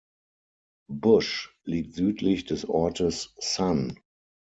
Bush liegt südlich des Ortes Sun.